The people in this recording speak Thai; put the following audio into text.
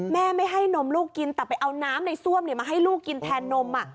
แม่ไม่ให้นมลูกกินแต่ไปเอาน้ำในซ่วมมาให้ลูกกินแทนนม